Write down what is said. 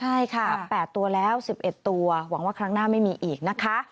ใช่ค่ะ๘ตัวแล้ว๑๑ตัวหวังว่าครั้งหน้าไม่มีอีกนะคะ